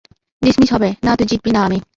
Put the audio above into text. Dismiss হবে, না তুই জিতবি না আমি।